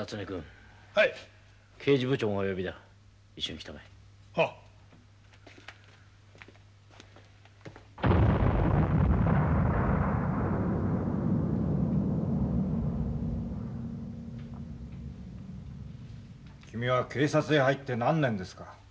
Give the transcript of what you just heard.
君は警察へ入って何年ですか？